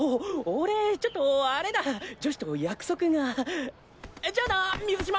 俺ちょっとあれだ女子と約束がじゃあな水嶋！